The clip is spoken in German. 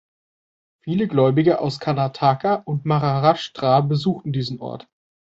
Viele Gläubige aus Karnataka und Maharashtra besuchen diesen Ort.